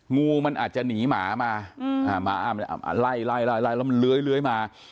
งูมันอาจจะหนีหมามาอืมอ่าหมาไล่ไล่ไล่แล้วมันเลื้อยเลื้อยมา